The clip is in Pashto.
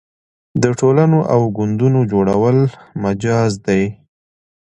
د ټولنو او ګوندونو جوړول مجاز دي.